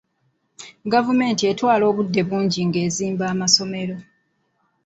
Gavumenti etwala obudde bungi nga ezimba amasomero.